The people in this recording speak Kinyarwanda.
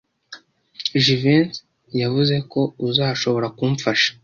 Jivency yavuze ko uzashobora kumfasha.